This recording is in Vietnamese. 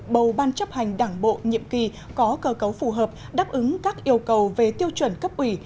bầu ban chấp hành đảng bộ nhiệm kỳ có cơ cấu phù hợp đáp ứng các yêu cầu về tiêu chuẩn cấp ủy